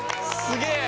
すげえ！